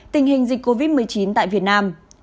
tình hình dịch covid một mươi chín tại việt nam